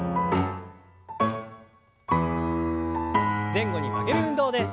前後に曲げる運動です。